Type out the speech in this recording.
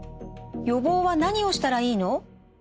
予防は何をしたらいいの？